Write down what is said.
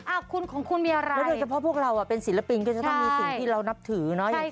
อ่ะคุณของคุณมีอะไรแล้วโดยเฉพาะพวกเราเป็นศิลปินก็จะต้องมีสิ่งที่เรานับถือเนาะ